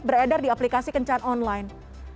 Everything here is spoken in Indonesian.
beredar di aplikasi kencan online